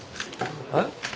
えっ？